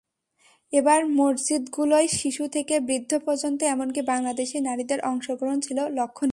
এবার মসজিদগুলোয় শিশু থেকে বৃদ্ধ পর্যন্ত এমনকি বাংলাদেশি নারীদের অংশগ্রহণ ছিল লক্ষণীয়।